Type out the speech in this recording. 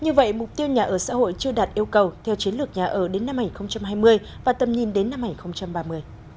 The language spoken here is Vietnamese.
như vậy mục tiêu nhà ở xã hội chưa đạt yêu cầu theo chiến lược nhà ở đến năm hai nghìn hai mươi và tầm nhìn đến năm hai nghìn ba mươi